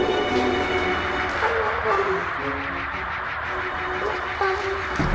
kita bakal p infrastructure